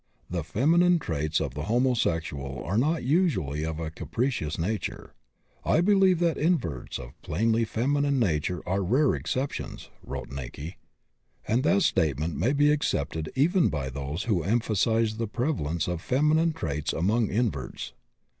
The feminine traits of the homosexual are not usually of a conspicuous character. "I believe that inverts of plainly feminine nature are rare exceptions," wrote Näcke: and that statement may be accepted even by those who emphasize the prevalence of feminine traits among inverts.